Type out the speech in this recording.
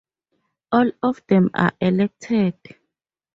All of them are elected.